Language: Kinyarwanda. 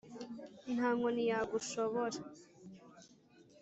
nta nkoni yagushobora